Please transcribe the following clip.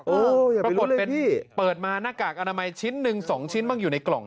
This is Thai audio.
โอ้อยากรู้เลยพี่ปรากฏเปิดมาหน้ากากอนามัยชิ้น๑๒ชิ้นบ้างอยู่ในกล่อง